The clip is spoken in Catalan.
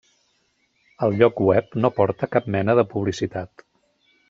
El lloc web no porta cap mena de publicitat.